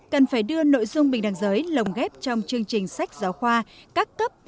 cần phải đưa nội dung bình đẳng giới lồng ghép trong chương trình sách giáo khoa các cấp